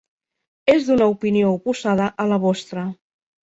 És d'una opinió oposada a la vostra.